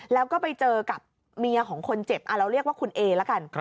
แล้วก็ไปเจอกับเมียของคนเจ็บเราเรียกว่าคุณเอละกัน